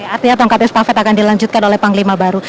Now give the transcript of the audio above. artinya tongkatnya spafet akan dilanjutkan oleh panglima baru